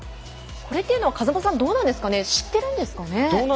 これは風間さんどうなんですかね知っているんですかね。